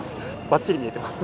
ばっちり見えてます。